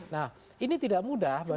nah ini tidak mudah